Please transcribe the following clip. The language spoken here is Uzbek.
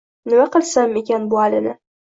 Nima qilsa ekan bu Alini